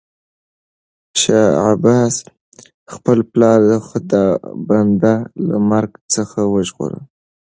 شاه عباس خپل پلار خدابنده له مرګ څخه وژغوره.